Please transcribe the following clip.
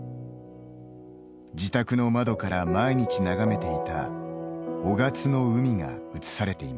自宅の窓から毎日眺めていた雄勝の海が写されています。